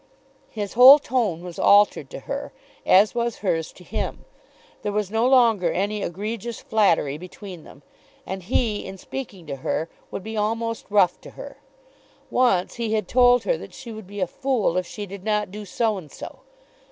His whole tone was altered to her, as was hers to him. There was no longer any egregious flattery between them, and he, in speaking to her, would be almost rough to her. Once he had told her that she would be a fool if she did not do so and so.